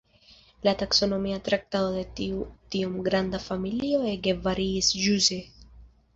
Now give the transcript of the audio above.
La taksonomia traktado de tiu tiom granda familio ege variis ĵuse.